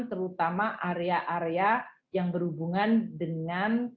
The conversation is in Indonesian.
terutama area area yang berhubungan dengan